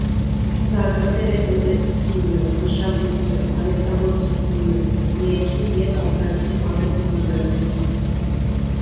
Զարգացել է տնտեսությունը, մշակույթը, արհեստագործությունը, ներքին և արտաքին առևտուրը։